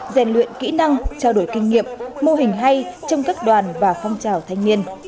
rèn luyện kỹ năng trao đổi kinh nghiệm mô hình hay trong các đoàn và phong trào thanh niên